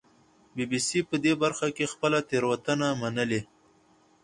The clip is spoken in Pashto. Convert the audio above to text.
بي بي سي په دې برخه کې خپله تېروتنه منلې